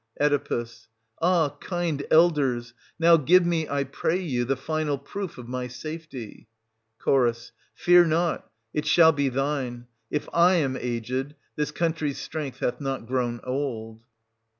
Oe. Ah, kind elders, now give me, I pray you, the final proof of my safety I Ch. Fear not — it shall be thine. If / am aged, this country's strength hath not grown old.